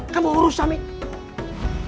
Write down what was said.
kamu urus samin